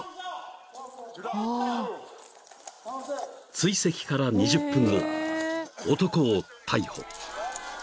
［追跡から２０分後男を逮捕］